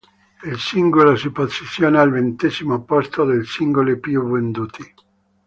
Il singolo si posiziona al ventesimo posto dei singoli più venduti.